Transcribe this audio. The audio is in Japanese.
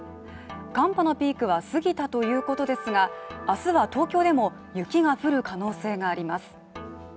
寒波のピークは過ぎたということですが、明日は東京でも雪が降る可能性があります。